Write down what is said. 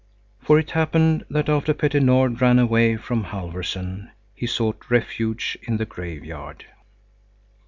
For it happened that after Petter Nord ran away from Halfvorson, he sought refuge in the graveyard.